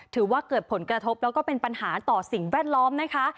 ถือว่าเกิดผลกระทบแล้วก็เป็นปัญหาต่อสิ่งแวดล้อมนะคะ